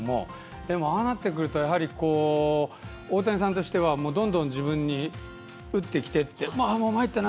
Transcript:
でも、ああなってくると大谷さんとしてはどんどん自分に打ってきてってまいったな！